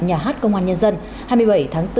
nhà hát công an nhân dân hai mươi bảy tháng bốn